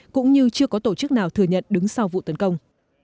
cũng như chưa có tổ chức nào thừa nhận đứng sau vụ tấn công